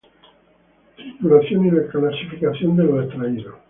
Trituración y clasificación de los extraídos.